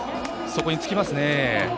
そこに尽きますね。